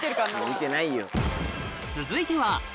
見てないよ。